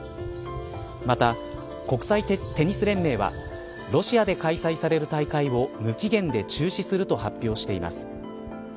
また、国際テニス連盟はロシアで開催される大会を無期限で中止すると発表しています。